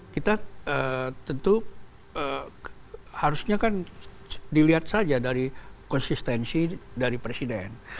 kita tentu harusnya kan dilihat saja dari konsistensi dari presiden